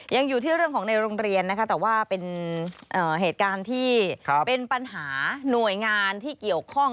ยังอยู่ที่เรื่องของในโรงเรียนนะคะแต่ว่าเป็นเหตุการณ์ที่เป็นปัญหาหน่วยงานที่เกี่ยวข้อง